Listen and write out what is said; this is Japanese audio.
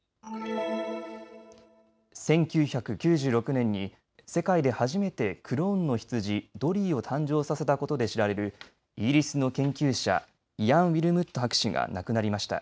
１９９６年に世界で初めてクローンの羊、ドリーを誕生させたことで知られるイギリスの研究者、イアン・ウィルムット博士が亡くなりました。